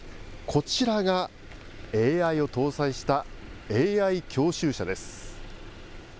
こちらがＡＩを搭載したＡＩ教習車です。